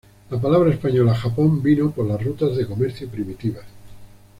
La palabra española Japón vino por las rutas de comercio primitivas.